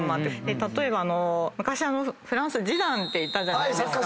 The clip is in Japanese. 例えば昔フランスでジダンっていたじゃないですか。